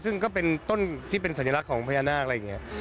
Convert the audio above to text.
ซึ่งก็เป็นต้นที่เป็นสัญลักษณ์ของพญานาคอะไรอย่างนี้